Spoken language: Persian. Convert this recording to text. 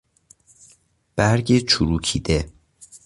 برگ چروکیده